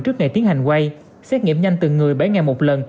trước ngày tiến hành quay xét nghiệm nhanh từng người bảy ngày một lần